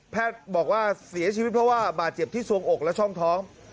บอกว่าเสียชีวิตเพราะว่าบาดเจ็บที่สวงอกและช่องท้อง